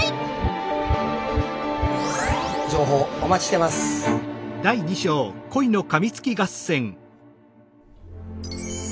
情報お待ちしてます。